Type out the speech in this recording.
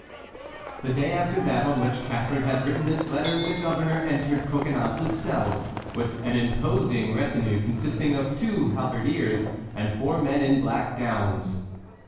The day after that on which Catharine had written this letter the governor entered Coconnas's cell with an imposing retinue consisting of two halberdiers and four men in black gowns.